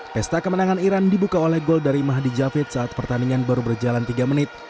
pesta kemenangan iran dibuka oleh gol dari mahdi javid saat pertandingan baru berjalan tiga menit